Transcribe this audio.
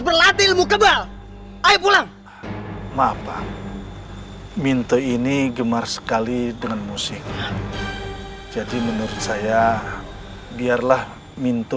berlatih ilmu kebal ayo pulang maaf minto ini gemar sekali dengan musik jadi menurut saya biarlah minto